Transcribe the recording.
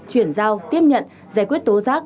chuyển giao tiếp nhận giải quyết tố giác